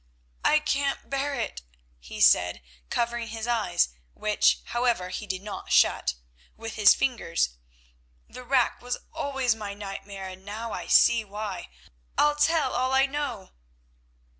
"I can't bear it," he said, covering his eyes—which, however, he did not shut—with his fingers. "The rack was always my nightmare, and now I see why. I'll tell all I know."